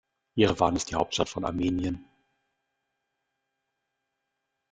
Jerewan ist die Hauptstadt von Armenien.